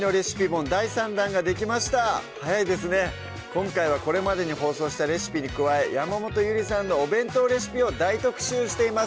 今回はこれまでに放送したレシピに加え山本ゆりさんのお弁当レシピを大特集しています